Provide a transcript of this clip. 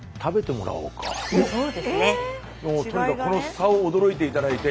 もうとにかくこの差を驚いて頂いて。